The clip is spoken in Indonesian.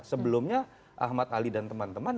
sebelumnya ahmad ali dan teman teman